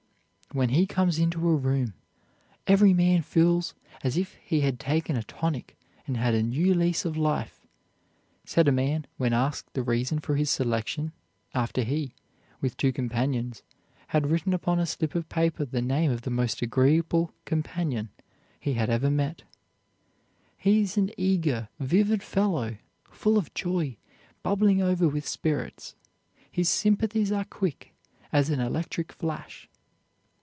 "When he comes into a room, every man feels as if he had taken a tonic and had a new lease of life," said a man when asked the reason for his selection, after he, with two companions, had written upon a slip of paper the name of the most agreeable companion he had ever met. "He is an eager, vivid fellow, full of joy, bubbling over with spirits. His sympathies are quick as an electric flash."